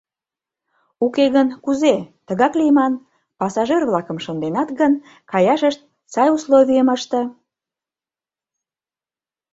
Уке гын, кузе — тыгак лийман: пассажир-влакым шынденат гын, каяшышт сай условийым ыште.